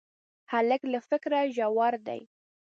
هلک له فکره ژور دی.